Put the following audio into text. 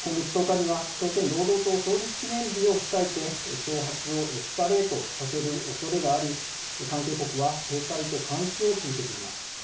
今月１０日には、朝鮮労働党創立記念日を控えて、挑発をエスカレートさせるおそれがあり、関係国は警戒と監視を続けています。